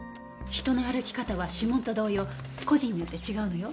人の歩き方は指紋と同様個人によって違うのよ。